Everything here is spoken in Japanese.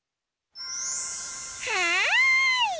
はい！